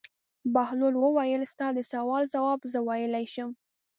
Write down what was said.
بهلول وویل: ستا د سوال ځواب زه ویلای شم.